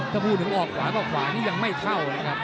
ถ้าพูดถึงออกขวาออกขวานี่ยังไม่เข้านะครับ